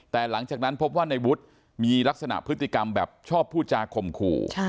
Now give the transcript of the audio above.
แต่หลังจากนั้นพบว่าในวุฒิมีลักษณะพฤติกรรมแบบชอบพูดจาข่มขู่